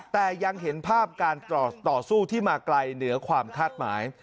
แต่ยังเห็นภาพการต่อสู้ที่มาไกลเหนือความคาดหมาย